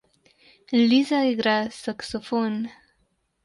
Liza igra saksofon.